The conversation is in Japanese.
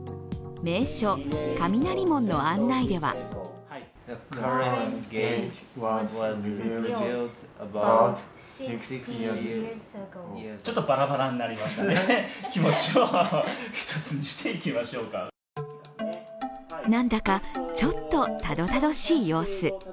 名所・雷門の案内ではなんだかちょっとたどたどしい様子。